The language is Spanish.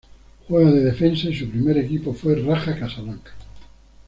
Juega de defensa y su primer equipo fue Raja Casablanca.